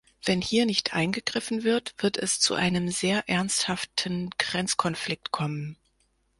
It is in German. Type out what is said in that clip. Wenn hier nicht eingegriffen wird, wird es zu einem sehr ernsthaften Grenzkonflikt kommen.